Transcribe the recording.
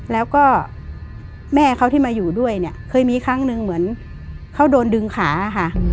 แล้วก็แม่เขาที่มาอยู่ด้วยเนี่ยเคยมีครั้งหนึ่งเหมือนเขาโดนดึงขาค่ะ